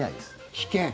危険？